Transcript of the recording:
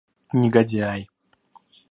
Негодяй!